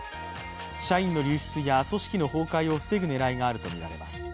社員の流出や組織の崩壊を防ぐ狙いがあるとみられます。